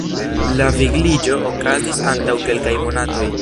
La vigliĝo okazis antaŭ kelkaj monatoj.